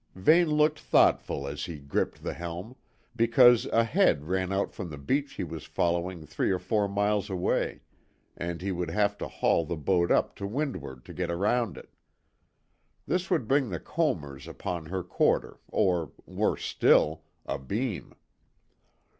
Vane looked thoughtful as he gripped the helm, because a head ran out from the beach he was following three or four miles way, and he would have to haul the boat up to windward to get round it. This would bring the combers upon her quarter, or, worse still, abeam.